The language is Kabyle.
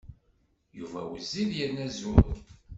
Yuba wezzil yerna zur.